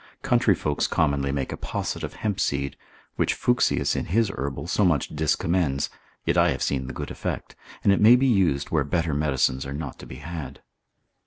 Country folks commonly make a posset of hemp seed, which Fuchsius in his herbal so much discommends; yet I have seen the good effect, and it may be used where better medicines are not to be had.